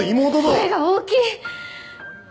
声が大きい。